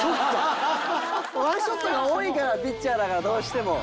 ワンショットが多いからピッチャーだからどうしても。